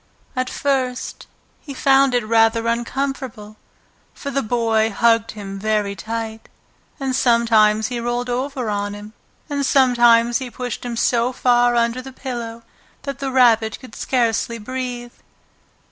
At first he found it rather uncomfortable, for the Boy hugged him very tight, and sometimes he rolled over on him, and sometimes he pushed him so far under the pillow that the Rabbit could scarcely breathe.